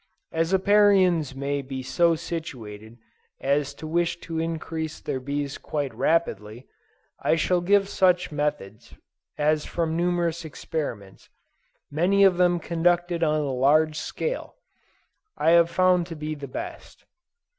As Apiarians may be so situated as to wish to increase their bees quite rapidly, I shall give such methods as from numerous experiments, many of them conducted on a large scale, I have found to be the best.